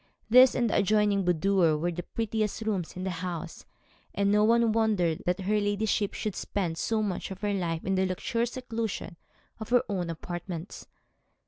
This and the adjoining boudoir were the prettiest rooms in the house, and no one wondered that her ladyship should spend so much of her life in the luxurious seclusion of her own apartments.